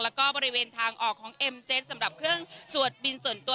แล้วก็บริเวณทางออกของเอ็มเจสสำหรับเครื่องสวดบินส่วนตัว